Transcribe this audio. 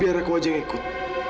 biar aku aja yang ikut